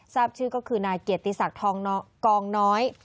ทราบชื่อก็คือนายเกียรติศักดิ์ทองกองน้อย